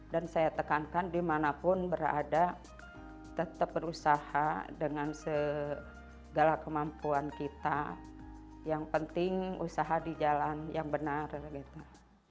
dan saya tekankan dimanapun berada tetap berusaha dengan segala kemampuan kita yang penting usaha di jalan yang benar gitu